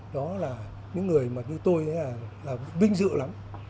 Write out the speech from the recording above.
đó là những người mà như tôi là vinh dự lắm